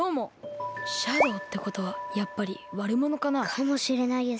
シャドーってことはやっぱりわるものかな？かもしれないですね。